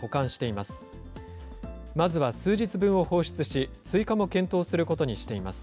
まずは数日分を放出し、追加も検討することにしています。